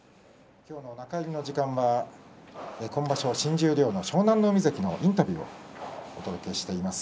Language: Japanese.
今日の中入りの時間は今場所、新十両の湘南乃海関のインタビューをお届けしています。